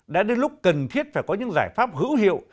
đã đến lúc cần thiết phải có những giải pháp hữu hiệu